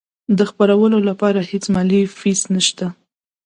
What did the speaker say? د خپرولو لپاره هیڅ مالي فیس نشته.